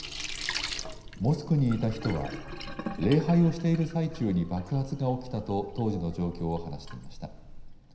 モスクにいた人は礼拝をしている最中に爆発が起きたと当時の状況を話していました。